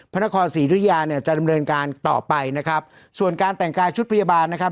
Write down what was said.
พระนครศรีรุยาเนี่ยจะดำเนินการต่อไปนะครับส่วนการแต่งกายชุดพยาบาลนะครับ